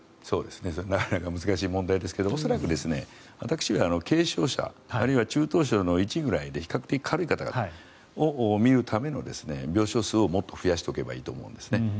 なかなか難しい問題ですけども恐らく、私は軽症者あるいは中等症の１ぐらいで比較的軽い方を診るための病床数をもっと増やしておけばいいと思うんですね。